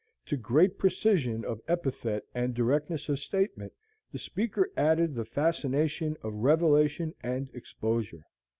To great precision of epithet and directness of statement, the speaker added the fascination of revelation and exposure.